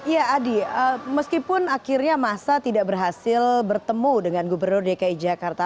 ya adi meskipun akhirnya masa tidak berhasil bertemu dengan gubernur dki jakarta